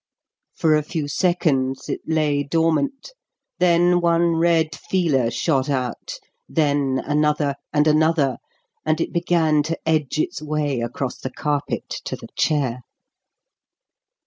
For a few seconds it lay dormant; then one red feeler shot out, then another, and another, and it began to edge its way across the carpet to the chair.